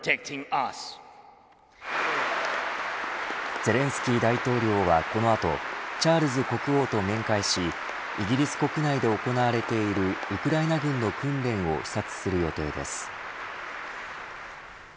ゼレンスキー大統領はこの後チャールズ国王と面会しイギリス国内で行われているウクライナ軍の訓練を視察する予定です。